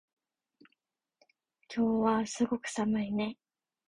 今日はすごく寒いね